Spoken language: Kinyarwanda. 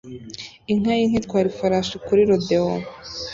Inka yinka itwara ifarashi kuri rodeo